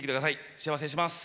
幸せにします。